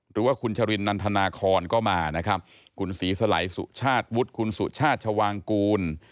หรือว่าคุณชรินนันทนาคอนก็มานะครับคุณศรีสลัยสุชาติวุฒิคุณสุชาติชวางกูล